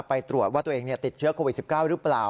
ไปตรวจว่าตัวเองติดเชื้อโควิด๑๙หรือเปล่า